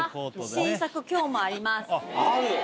新作、きょうもあります。